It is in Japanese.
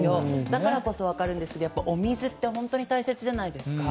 だからこそ分かるんですけど、お水って本当に大切じゃないですか。